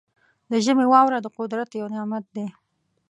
د ژمي واوره د قدرت یو نعمت دی.